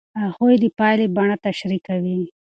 هغوی د پایلې بڼه تشریح کوي.